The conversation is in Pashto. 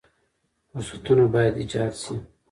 فرصتونه باید ایجاد شي.